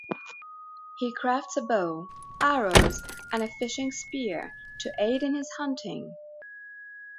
He crafts a bow, arrows, and a fishing spear to aid in his hunting.